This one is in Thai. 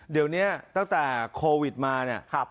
เดี๋ยวเนี้ยตั้งแต่โควิดมาเนี้ยครับ